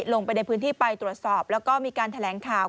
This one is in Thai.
ลงไปในพื้นที่ไปตรวจสอบแล้วก็มีการแถลงข่าว